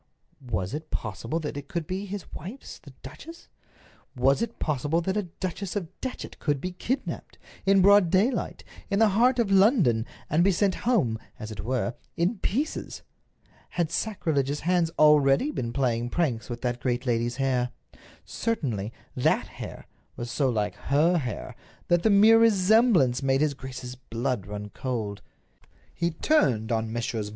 Was it possible that it could be his wife's, the duchess? Was it possible that a Duchess of Datchet could be kidnaped, in broad daylight, in the heart of London, and be sent home, as it were, in pieces? Had sacrilegious hands already been playing pranks with that great lady's hair? Certainly, that hair was so like her hair that the mere resemblance made his grace's blood run cold. He turned on Messrs.